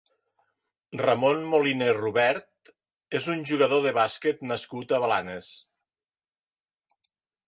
Ramón Moliné Robert és un jugador de bàsquet nascut a Blanes.